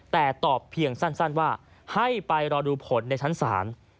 แต่ตอบเพียงสั้นว่าให้ไปรอดูผลในชั้นศาล